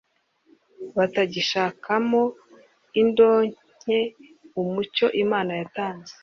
batagishakamo indonke Umucyo Imana yatanze